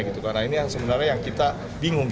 karena ini yang sebenarnya yang kita bingung